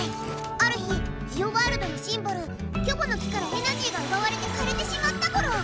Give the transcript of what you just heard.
ある日ジオワールドのシンボルキョボの木からエナジーがうばわれてかれてしまったゴロ。